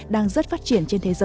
đang rất phát triển